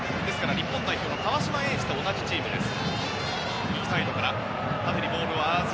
日本代表の川島永嗣と同じチームです。